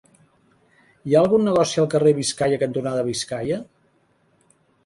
Hi ha algun negoci al carrer Biscaia cantonada Biscaia?